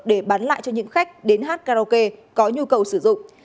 để bán lại cho những khách đến hát karaoke có nhu cầu sử dụng